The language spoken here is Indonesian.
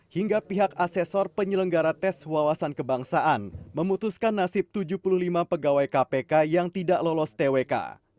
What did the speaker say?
hingga pihak asesor penyelenggara tes wawasan kebangsaan memutuskan nasib tujuh puluh lima pegawai kpk yang tidak lolos twk